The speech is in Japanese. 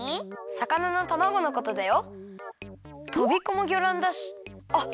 さかなのたまごのことだよ。とびこもぎょらんだしあっ！